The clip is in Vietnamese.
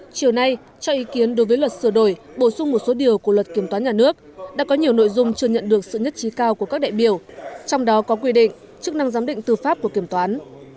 chiều nay cho ý kiến đối với luật sửa đổi bổ sung một số điều của luật kiểm toán nhà nước đã có nhiều nội dung chưa nhận được sự nhất trí cao của các đại biểu trong đó có quy định chức năng giám định tư pháp của kiểm toán